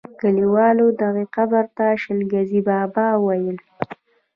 کلیوالو دغه قبر ته شل ګزی بابا ویل.